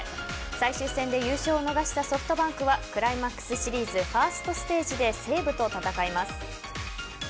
最終戦で優勝を逃したソフトバンクはクライマックスシリーズファーストステージで西武と戦います。